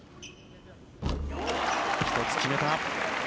１つ、決めた。